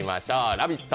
「ラヴィット！」